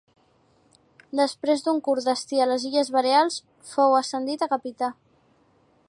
Després d'un curt destí a les Illes Balears, fou ascendit a capità.